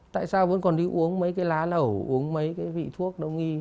tại sao vẫn còn đi uống mấy cái lá lẩu uống mấy cái vị thuốc đông y